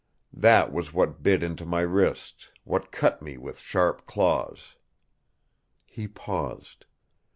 That was what bit into my wrist, what cut me with sharp claws." He paused.